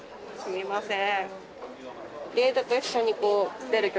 すみません。